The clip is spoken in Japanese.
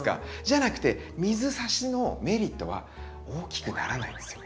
じゃなくて水挿しのメリットは大きくならないんですよ。